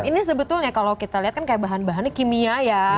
ini sebetulnya kalau kita lihat kan kayak bahan bahannya kimia ya